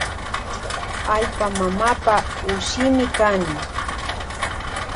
Allpa mamapa ushimi kani.